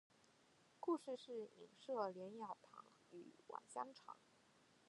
故事是隐射连雅堂与王香禅。